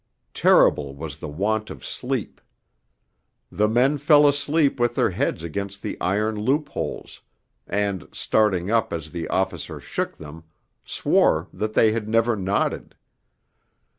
Terrible was the want of sleep. The men fell asleep with their heads against the iron loopholes, and, starting up as the officer shook them, swore that they had never nodded.